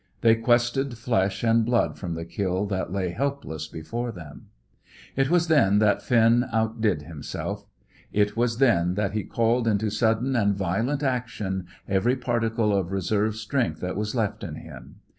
They quested flesh and blood from the kill that lay helpless before them. It was then that Finn outdid himself; it was then that he called into sudden and violent action every particle of reserve strength that was left in him.